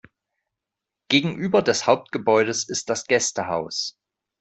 Gegenüber des Hauptgebäudes ist das Gästehaus.